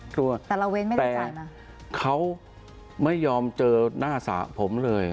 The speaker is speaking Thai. แต่เขาไม่ยอมเจอหน้าสาผมเลย